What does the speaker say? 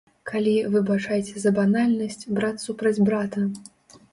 Калі, выбачайце за банальнасць, брат супраць брата.